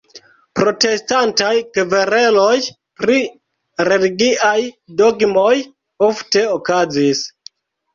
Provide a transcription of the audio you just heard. Protestantaj kvereloj pri religiaj dogmoj ofte okazis.